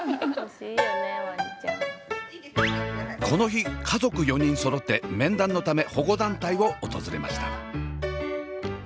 この日家族４人そろって面談のため保護団体を訪れました。